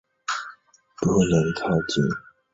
英宗时升为南康知府。